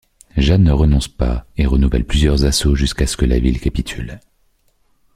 Jeanne ne renonce pas et renouvelle plusieurs assauts jusqu'à ce que la ville capitule.